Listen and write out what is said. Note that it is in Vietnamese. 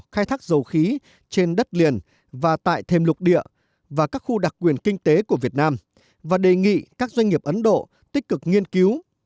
khai thác dầu khí trên đất liền và tại thêm lục địa và các khu đặc quyền kinh tế của việt nam và đề nghị các doanh nghiệp ấn độ tích cực nghiên cứu